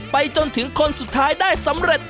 ไปจนถึงคนสุดท้ายได้สำเร็จ